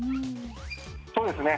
そうですね。